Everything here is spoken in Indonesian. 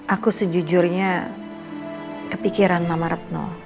aku sejujurnya kepikiran mama retno